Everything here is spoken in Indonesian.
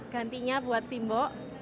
gantinya buat simbo